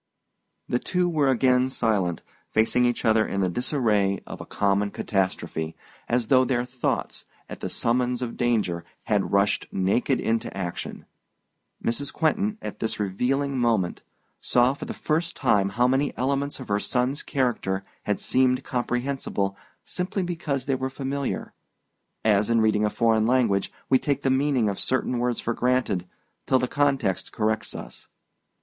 The two were again silent, facing each other in the disarray of a common catastrophe as though their thoughts, at the summons of danger, had rushed naked into action. Mrs. Quentin, at this revealing moment, saw for the first time how many elements of her son's character had seemed comprehensible simply because they were familiar: as, in reading a foreign language, we take the meaning of certain words for granted till the context corrects us.